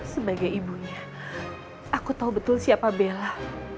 sebagai ibunya aku tahu betul siapa bella